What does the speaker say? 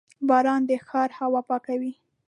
• باران د ښاري هوا پاکوي.